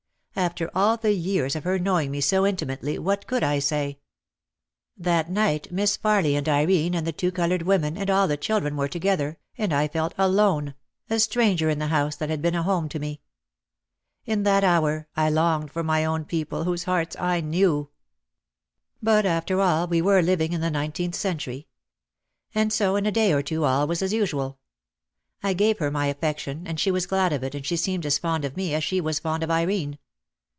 After all the years of her knowing me so intimately what could I say ! That night Miss Farly and Irene and the two coloured women and all the children were together and I felt alone, a stranger in the house that had been a home to me. In that hour I longed for my own people whose hearts I knew. 268 OUT OF THE SHADOW But after all we were living in the nineteenth century. And so in a day or two all was as usual. I gave her my affection and she was glad of it and she seemed as fond of me as she was fond of Irene.